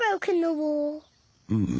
うん。